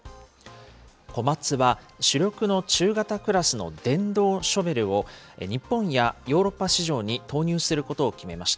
コマツは、主力の中型クラスの電動ショベルを、日本やヨーロッパ市場に投入することを決めました。